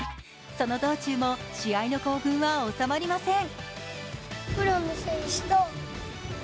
その道中も試合の興奮は収まりません。